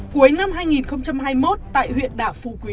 cuối năm hai nghìn hai mươi một tại huyện đảo phu quý